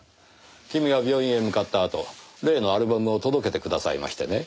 君が病院へ向かったあと例のアルバムを届けてくださいましてね。